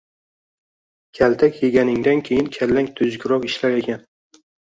Kaltak yeganingdan keyin kallang tuzukroq ishlar ekan.